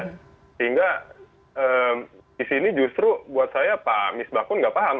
sehingga di sini justru buat saya pak misbahkun nggak paham